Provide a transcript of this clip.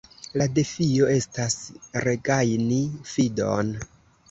la defio estas regajni fidon”.